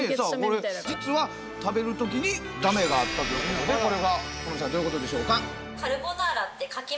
実は食べる時にだめがあったということでこれがＮｏ．５７３さんどういうことでしょうか？